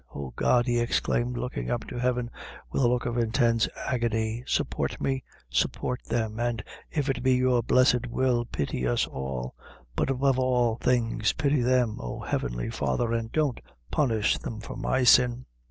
Oh, God," he exclaimed, looking up to Heaven, with a look of intense agony, "support me support them; and if it be your blessed will, pity us all; but above all things, pity them, oh, Heavenly Father, and don't punish them for my sin!"